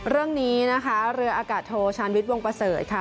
เรื่องนี้นะคะเรืออากาศโทชานวิทย์วงประเสริฐค่ะ